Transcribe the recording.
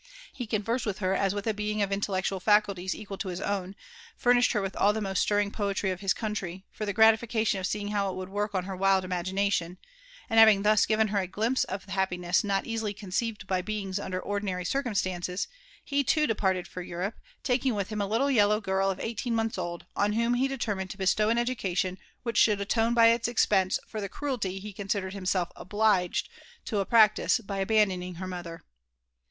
He cenwaraad mlUki hev av with a being of hiteHeeliial fecuftiee equal to h»' own ;i furnished her with: aJi the^ most stirring poetry of his country, for the gratification of seeing bow it' would' #04(4 en her witii imaginataen); andthaivlfig thu8<gtiwn her a ghmpse of happiness noti easily eoneeived by beings, under ordinary circumstances, he too departed fop Europe, taking with him a litlla fellow girl of eighteen months old, on whom he determined to bestow an edueation^ which should atone by ite* eaEpense for the cruelty hei cmisidaMKit himself aWi^^ to practise by abandoning her mother.